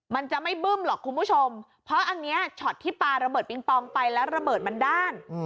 มันจะไม่บึ้มหรอกคุณผู้ชมเพราะอันนี้ช็อตที่ปลาระเบิดปิงปองไปแล้วระเบิดมันด้าน